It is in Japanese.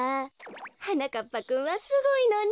はなかっぱくんはすごいのね。